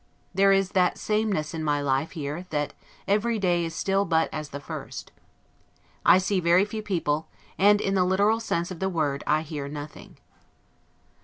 There is that sameness in my life here, that EVERY DAY IS STILL BUT AS THE FIRST. I see very few people; and, in the literal sense of the word, I hear nothing.